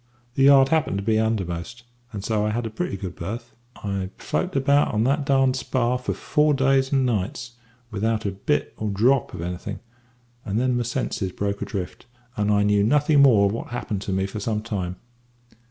The yard happened to be undermost, and so I had a pretty good berth. "I floated about on that spar for four days and nights without a bit or drop of anything, and then my senses broke adrift, and I knew nothing more of what happened to me for some time.